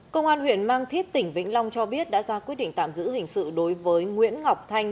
công an huyện mang thít tỉnh vĩnh long cho biết đã ra quyết định tạm giữ hình sự đối với nguyễn ngọc thanh